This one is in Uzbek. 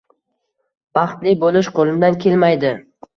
— Baxtli bo’lish qo’limdan kelmaydi.